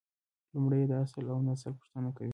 لومړی یې د اصل اونسل پوښتنه کوي.